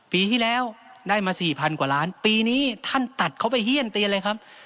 ปีที่แล้วได้มาสี่พันกว่าล้านปีนี้ท่านตัดเขาไปเฮียนเตียนเลยครับ